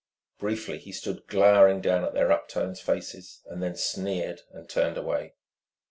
Briefly he stood glowering down at their upturned faces, then sneered, and turned away.